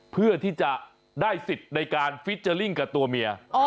เพื่อที่จะได้สิทธิ์ในการฟิเจอร์ลิ่งกับตัวเมีย